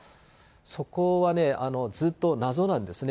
そこは、ずっと謎なんですね。